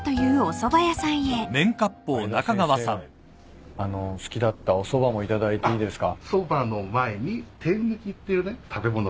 相田先生が好きだったおそばも頂いていいですか？